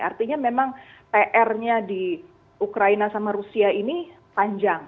artinya memang pr nya di ukraina sama rusia ini panjang